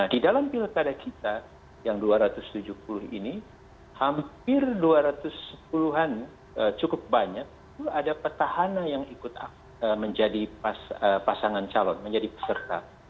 di dalam pilkada kita yang dua ratus tujuh puluh ini hampir dua ratus sepuluh an cukup banyak itu ada petahana yang ikut menjadi pasangan calon menjadi peserta